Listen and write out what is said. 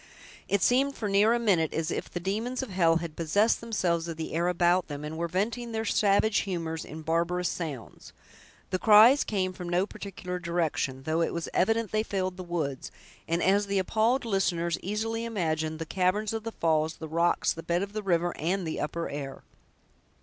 It seemed, for near a minute, as if the demons of hell had possessed themselves of the air about them, and were venting their savage humors in barbarous sounds. The cries came from no particular direction, though it was evident they filled the woods, and, as the appalled listeners easily imagined, the caverns of the falls, the rocks, the bed of the river, and the upper air.